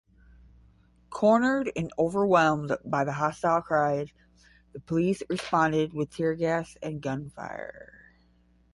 Cornered and overwhelmed by the hostile crowd, the police responded with teargas and gunfire.